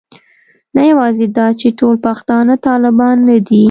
نه یوازې دا چې ټول پښتانه طالبان نه دي.